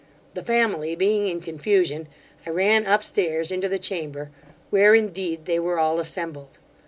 The family being in confusion, I ran up stairs into the chamber, where, indeed, they were all assembled.